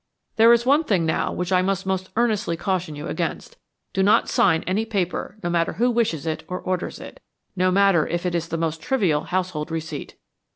"There is one thing now which I must most earnestly caution you against. Do not sign any paper, no matter who wishes it or orders it no matter if it is the most trivial household receipt.